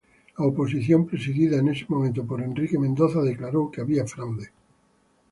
La oposición presidida en ese momento por Enrique Mendoza declaró que hubo fraude.